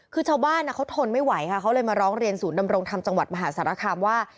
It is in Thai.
คือชาวบ้านเขาทนไม่ไหวค่ะเขาเลยมาร้องเรียนศูนย์ดำรงธรรมจังหวัดมหาสารคามว่า